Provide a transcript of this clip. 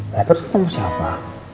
ya terus ketemu siapa